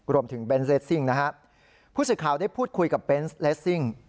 เบนเลสซิ่งนะฮะผู้สื่อข่าวได้พูดคุยกับเบนส์เลสซิ่ง